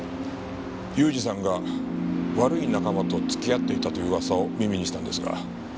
雄二さんが悪い仲間と付き合っていたという噂を耳にしたんですが。